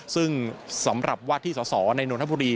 ซึ่งสำหรับวาดที่สอสอในนนทบุรี